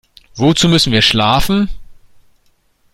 Wozu müssen wir schlafen?